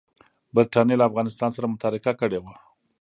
برټانیې له افغانستان سره متارکه کړې وه.